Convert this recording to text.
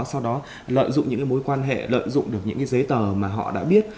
sau đó lợi dụng những mối quan hệ lợi dụng được những cái giấy tờ mà họ đã biết